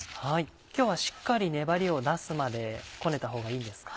今日はしっかり粘りを出すまでこねた方がいいですか？